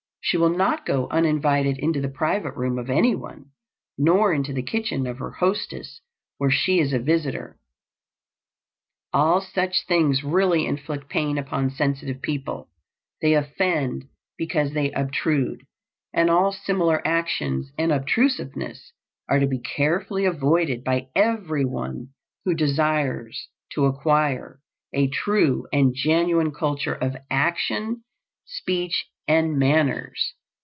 She will not go uninvited into the private room of anyone, nor into the kitchen of her hostess where she is a visitor. All such things really inflict pain upon sensitive people; they offend because they obtrude; and all similar actions and obtrusiveness are to be carefully avoided by everyone who desires to acquire a true and genuine culture of action, speech, and manners.